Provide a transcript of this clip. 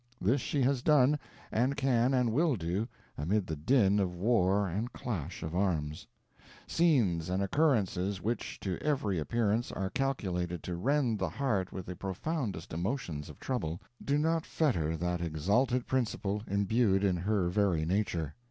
This she has done, and can and will do, amid the din of war and clash of arms. Scenes and occurrences which, to every appearance, are calculated to rend the heart with the profoundest emotions of trouble, do not fetter that exalted principle imbued in her very nature.